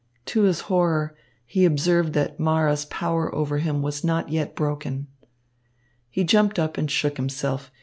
To his horror, he observed that Mara's power over him was not yet broken. He jumped up and shook himself.